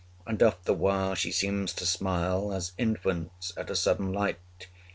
And oft the while she seems to smile As infants at a sudden light!